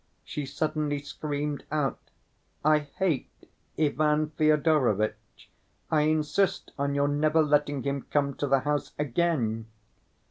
She suddenly screamed out, 'I hate Ivan Fyodorovitch. I insist on your never letting him come to the house again.